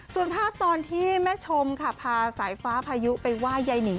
ส่วนภาพตอนที่แม่ชมค่ะพาสายฟ้าพายุไปไหว้ยายนิง